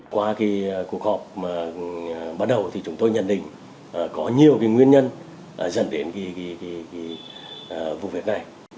qua cuộc họp bắt đầu thì chúng tôi nhận định có nhiều nguyên nhân dẫn đến vụ việc này